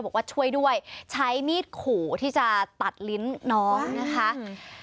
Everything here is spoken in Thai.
บอกว่าช่วยด้วยใช้มีดขู่ที่จะตัดลิ้นน้องนะคะอืม